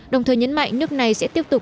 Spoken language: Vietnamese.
đồng thời nhấn mạnh nước này sẽ tiếp tục